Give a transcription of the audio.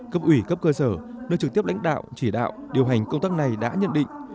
cấp ủy cấp cơ sở nơi trực tiếp lãnh đạo chỉ đạo điều hành công tác này đã nhận định